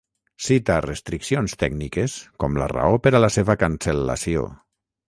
Cita restriccions tècniques com la raó per a la seva cancel·lació.